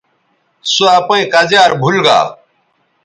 سو اپئیں کزیار بھول گا